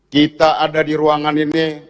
kita ada di ruangan ini